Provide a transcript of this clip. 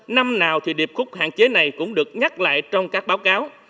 năm nào thì điệp khúc hạn chế này cũng được nhắc lại trong các báo cáo